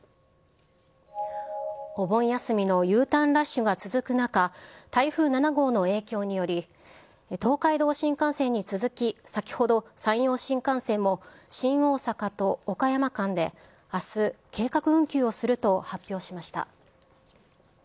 お盆休みのＵターンラッシュが続く中、台風７号の影響により、東海道新幹線に続き、先ほど山陽新幹線も、新大阪と岡山間で、あす、計画運休をすると発表しました。